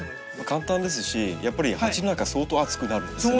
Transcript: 簡単ですしやっぱり鉢の中相当熱くなるんですね。